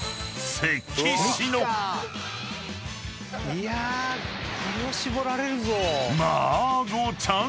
いやこれは絞られるぞ。